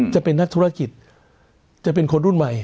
จะเป็นนักธุรกิจจะเป็นคนรุ่นใหม่